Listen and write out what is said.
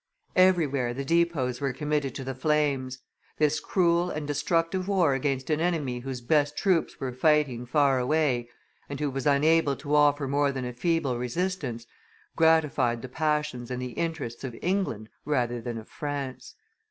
Everywhere the depots were committed to the flames: this cruel and destructive war against an enemy whose best troops were fighting far away, and who was unable to offer more than a feeble resistance, gratified the passions and the interests of England rather than of France.